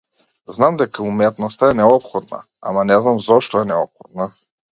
Знам дека уметноста е неопходна, ама не знам зошто е неопходна.